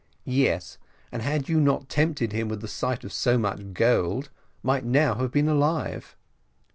"Yes, and had you not tempted him with the sight of so much gold, might now have been alive."